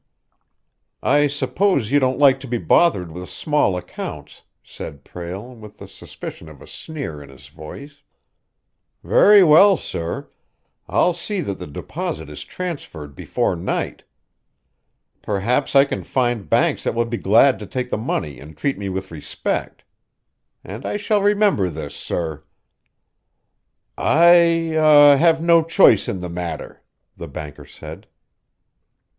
"I suppose you don't like to be bothered with small accounts," said Prale, with the suspicion of a sneer in his voice. "Very well, sir! I'll see that the deposit is transferred before night. Perhaps I can find banks that will be glad to take the money and treat me with respect. And I shall remember this, sir!" "I er have no choice in the matter," the banker said.